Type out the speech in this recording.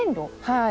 はい。